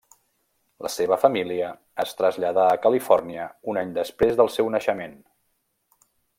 La seva família es traslladà a Califòrnia un any després del seu naixement.